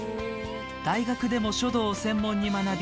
大学でも書道を専門に学び